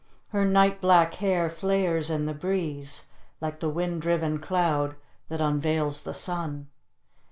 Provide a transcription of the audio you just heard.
Her night black hair flares in the breeze like the wind driven cloud that unveils the sun.